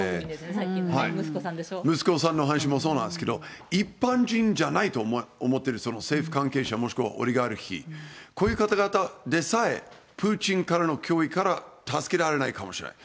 息子さんの話もそうなんですけど、一般人じゃないと思ってる政府関係者、もしくはオリガルヒ、こういう方々でさえ、プーチンからの脅威から助けられないかもしれない。